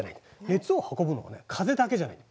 熱を運ぶのはね風だけじゃない。